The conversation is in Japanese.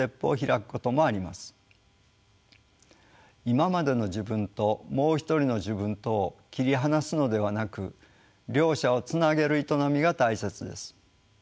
「今までの自分」と「もう一人の自分」とを切り離すのではなく両者をつなげる営みが大切です。